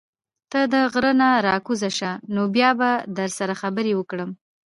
ته د غرۀ نه راکوز شه نو بيا به در سره خبرې وکړم